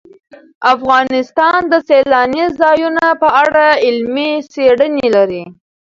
افغانستان د سیلانی ځایونه په اړه علمي څېړنې لري.